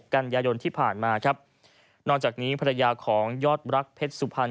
กันยายนที่ผ่านมาครับนอกจากนี้ภรรยาของยอดรักเพชรสุพรรณ